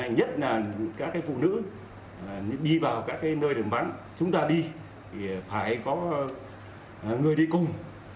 nhất là các phụ nữ đi vào các nơi điểm bắn chúng ta đi thì phải có người đi cùng